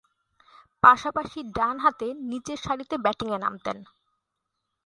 পাশাপাশি ডানহাতে নিচের সারিতে ব্যাটিংয়ে নামতেন।